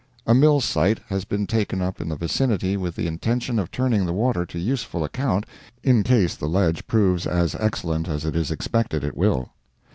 A mill site has been taken up in the vicinity with the intention of turning the water to useful account in case the ledge proves as excellent as it is expected it will.